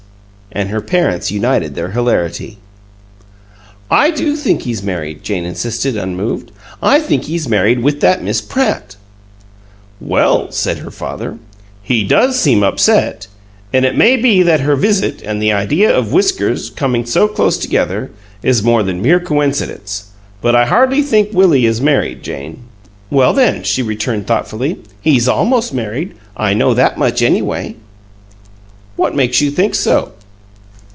And her parents united their hilarity. "I do think he's married," Jane insisted, unmoved. "I think he's married with that Miss Pratt." "Well," said her father, "he does seem upset, and it may be that her visit and the idea of whiskers, coming so close together, is more than mere coincidence, but I hardly think Willie is married, Jane!" "Well, then," she returned, thoughtfully, "he's almost married. I know that much, anyway." "What makes you think so?"